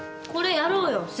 これやろうよ。